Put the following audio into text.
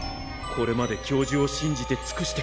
これまで教授を信じてつくしてきた。